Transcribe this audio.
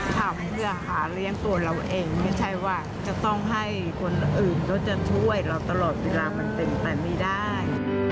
ทำเพื่อหาเลี้ยงตัวเราเองไม่ใช่ว่าจะต้องให้คนอื่นเขาจะช่วยเราตลอดเวลามันเป็นไปไม่ได้